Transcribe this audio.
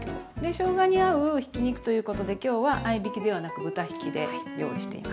しょうがに合うひき肉ということで今日は合いびきではなく豚ひきで用意しています。